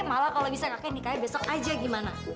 malah kalau bisa kakak nikahin besok aja gimana